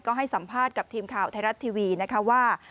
ก็ให้สัมภาษณ์กับทีมข่าวไทยรัฐทีวีนะคะว่า